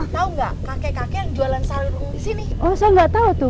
tahu enggak kakek kakek jualan sarung di sini